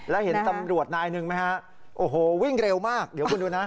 แล้วเห็นตำรวจนายหนึ่งไหมฮะโอ้โหวิ่งเร็วมากเดี๋ยวคุณดูนะ